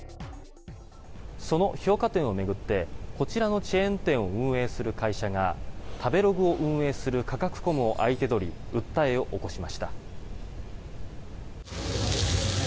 その評価点を巡ってこちらのチェーン店を運営する会社が食べログを運営するカカクコムを相手取り訴えを起こしました。